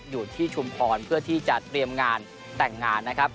ชุมพรเพื่อที่จะเตรียมงานแต่งงานนะครับ